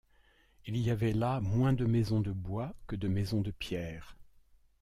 Il y avait là moins de maisons de bois que de maisons de pierre.